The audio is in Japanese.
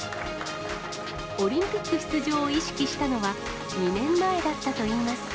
オリンピック出場を意識したのは、２年前だったといいます。